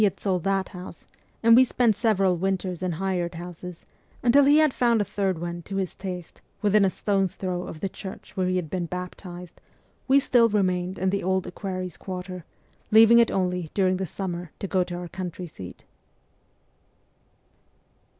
had sold that house, and we spent several winters in hired houses, until he had found a third one to his taste within a stone' s throw of the church where he had been baptized, we still remained in the Old Equerries' Quarter, leaving it only during the summer to go to our country seat.